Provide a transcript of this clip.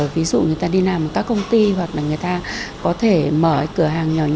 ví dụ người ta đi làm các công ty hoặc là người ta có thể mở cửa hàng nhỏ nhỏ